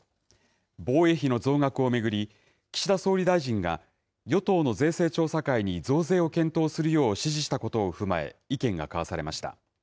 防衛費の増額を巡り、岸田総理大臣が与党の税制調査会に増税を検討するよう指示したことを踏まえ、意見が交わされました。